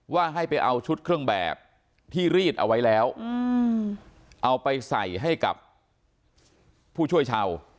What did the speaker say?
ว่าให้ไปเอาชุดเครื่องแบบที่รีดเอาไว้แล้วเอาไปใส่ให้กับผู้ช่วยชาว